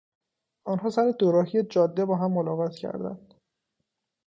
آنها سر دوراهی جاده با هم ملاقات کردند.